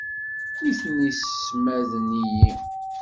Nitni ssmaden-iyi.